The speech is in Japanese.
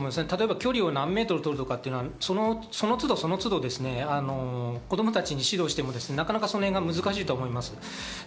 距離を何ｍ取るかというのはその都度その都度、子供たちに指導しても、なかなかそのへんは難しいと思います。